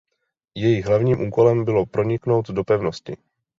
Jejich hlavním úkolem bylo proniknout do pevnosti.